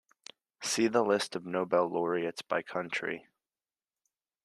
See the List of Nobel laureates by country.